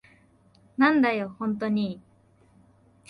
なんだよ、ホントに。